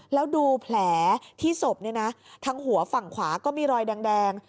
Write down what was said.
แล้วดูแผลที่ศพทั้งหัวฝั่งขวาก็มีรอยแดง